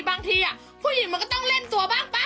บางทีผู้หญิงมันก็ต้องเล่นตัวบ้างป่ะ